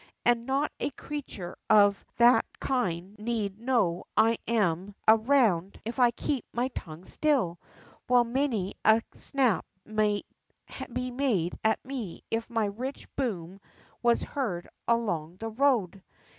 And not a creature of that kind need know I am around if I keep my tongue still, while many a snap might be made at me if my rich boom was heard along the road.